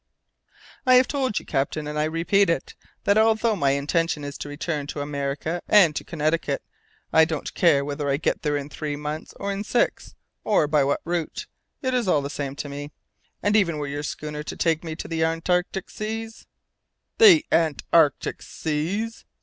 "I have told you, captain, and I repeat it, that although my intention is to return to America and to Connecticut, I don't care whether I get there in three months or in six, or by what route; it's all the same to me, and even were your schooner to take me to the Antarctic seas " "The Antarctic seas!"